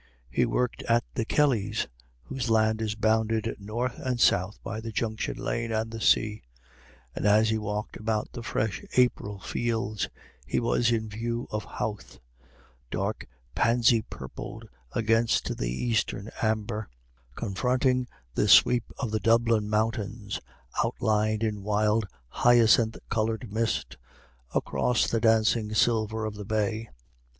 He worked at the Kellys', whose land is bounded north and south by the Junction lane and the sea; and as he walked about the fresh April fields he was in view of Howth, dark pansy purple against the eastern amber, confronting the sweep of the Dublin mountains, outlined in wild hyacinth coloured mist, across the dancing silver of the bay.